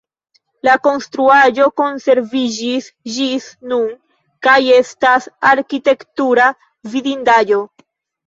La konstruaĵo konserviĝis ĝis nun kaj estas arkitektura vidindaĵo.